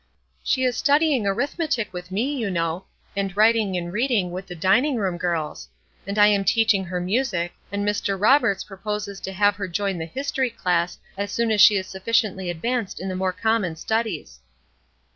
"She is studying arithmetic with me, you know, and writing and reading with the dining room girls; and I am teaching her music, and Mr. Roberts proposes to have her join the history class as soon as she is sufficiently advanced in the more common studies."